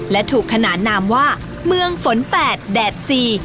และถูกขนานนามว่าเมืองฝนแปดแดดสี่